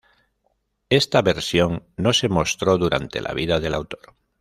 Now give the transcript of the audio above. Esta versión no se mostró durante la vida del autor.